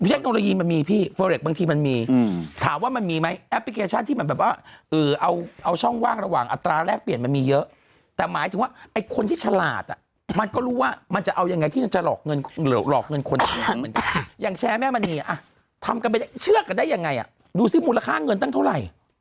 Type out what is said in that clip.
เทคโนโลยีมันมีพี่เฟอร์เล็กบางทีมันมีถามว่ามันมีไหมแอปพลิเคชันที่มันแบบว่าเอาช่องว่างระหว่างอัตราแรกเปลี่ยนมันมีเยอะแต่หมายถึงว่าไอ้คนที่ฉลาดอ่ะมันก็รู้ว่ามันจะเอายังไงที่มันจะหลอกเงินหลอกเงินคนจ้างเหมือนกันอย่างแชร์แม่มณีอ่ะทำกันไปเชื่อกันได้ยังไงอ่ะดูสิมูลค่าเงินตั้งเท่าไหร่